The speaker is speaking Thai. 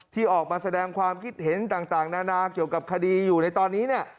ที่ออกมาแสดงความคิดเห็นต่างนานาเกี่ยวกับคดีอยู่ในตอนนี้เนี่ย